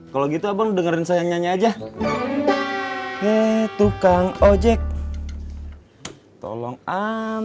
kalo gitu abang dengerin saya nyanyi aja